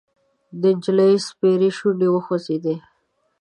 د نجلۍ سپېرې شونډې وخوځېدې: